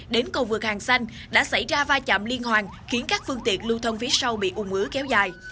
đến cầu vượt hàng xanh đã xảy ra va chạm liên hoàn khiến các phương tiện lưu thông phía sau bị ủng ứ kéo dài